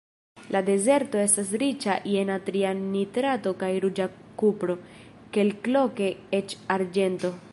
La dezerto estas riĉa je natria nitrato kaj ruĝa kupro, kelkloke eĉ arĝento.